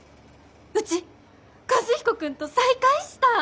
うち和彦君と再会した！